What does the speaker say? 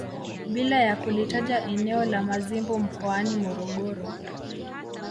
Bila ya kulitaja eneo la Mazimbu mkoani Morogoro